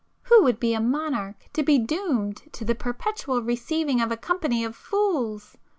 Who would be a Monarch, to be doomed to the perpetual receiving of a company of fools!